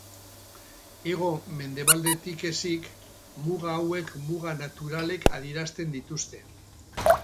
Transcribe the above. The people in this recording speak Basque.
Hego-mendebaldetik ezik, muga hauek muga naturalek adierazten dituzte.